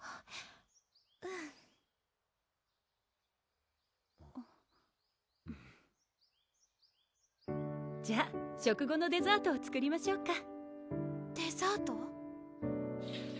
うんじゃ食後のデザートを作りましょうかデザート？